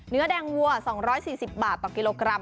เนื้อแดงวัว๒๔๐บาทต่อกิโลกรัม